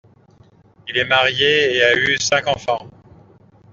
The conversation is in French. Il est marié et a eu cinq enfants.